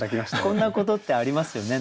こんなことってありますよね。